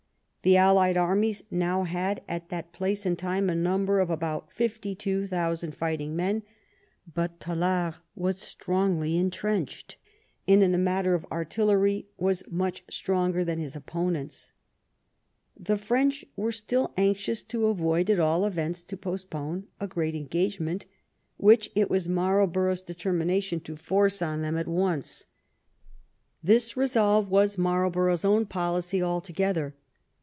The allied armies now had at that place and time a number of about fifty two thousand fighting men, but Tallard was strongly intrenched, and in the matter of artillery was much stronger than his opponents. The French were still anxious to avoid, at all events to postpone, a great engagement, which it was Marl borough's determination to force on them at once. This resolve was Marlborough's own policy altogether.